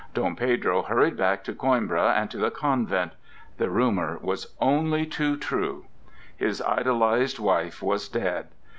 Dom Pedro hurried back to Coimbra and to the convent. The rumor was only too true. His idolized wife was dead.